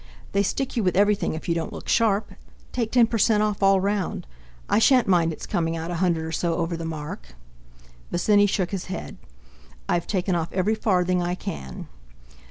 They stick you with everything if you don't look sharp.... Take ten per cent. off all round. I shan't mind it's coming out a hundred or so over the mark!" Bosinney shook his head: "I've taken off every farthing I can!"